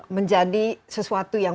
menjadi sesuatu yang